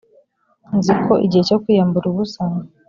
nzi ko igihe cyo kwiyambura ubusa